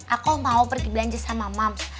aku mau pergi belanja sama mump